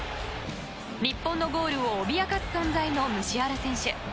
日本のゴールを脅かす存在のムシアラ選手。